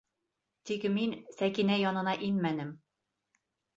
Тик мин Сәкинә янына инмәнем!